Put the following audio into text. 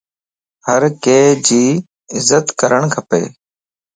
ھرڪي جي عزت ڪرڻ کپ